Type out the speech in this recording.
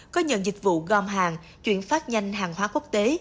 có nhận dịch vụ gom hàng chuyển phát nhanh hàng hóa quốc tế